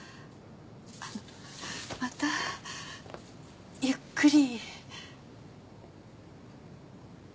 あのまたゆっくり。